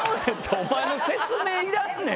お前の説明いらんねん！